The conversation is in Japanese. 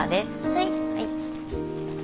はい。